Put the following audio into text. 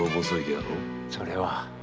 それは。